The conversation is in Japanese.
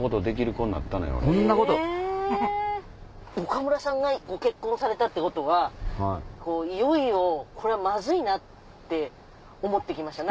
岡村さんがご結婚されたってことはいよいよこれはまずいなって思って来ました